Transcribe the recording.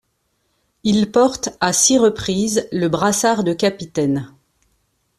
Il porte à six reprises le brassard de capitaine.